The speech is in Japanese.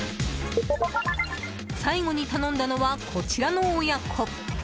最後に頼んだのは、こちらの親子。